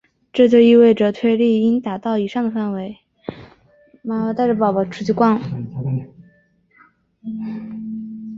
这就意味着推力应达到以上的范围。